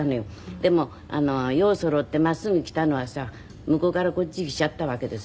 でも「ようそろ」って真っすぐ来たのはさ向こうからこっち来ちゃったわけですよね。